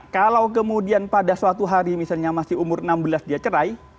kalau kemudian pada suatu hari misalnya masih umur enam belas dia cerai